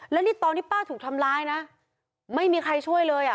แล้วนี่ตอนที่ป้าถูกทำร้ายนะไม่มีใครช่วยเลยอ่ะ